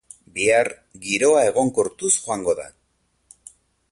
Bihar, giroa egonkortuz joango da.